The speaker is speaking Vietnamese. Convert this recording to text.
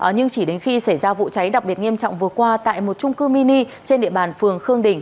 nhưng chỉ đến khi xảy ra vụ cháy đặc biệt nghiêm trọng vừa qua tại một trung cư mini trên địa bàn phường khương đình